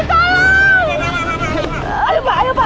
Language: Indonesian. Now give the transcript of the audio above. tarik tarik tarik